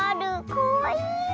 かわいい！